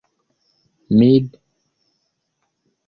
mil